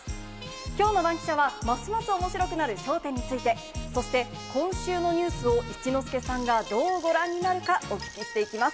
きょうのバンキシャはますますおもしろくなる笑点について、そして今週のニュースを一之輔さんがどうご覧になるか、お聞きしていきます。